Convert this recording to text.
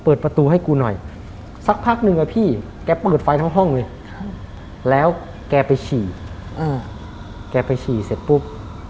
เปิดประตูให้กูหน่อยสักพักนึงอะพี่แกเปิดไฟทั้งห้องเลยแล้วแกไปฉี่แกไปฉี่เสร็จปุ๊บ